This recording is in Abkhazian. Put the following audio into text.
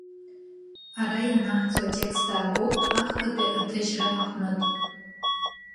Ара ианаҳҵо атекст аагоуп ахԥатәи аҭыжьра аҟнытә.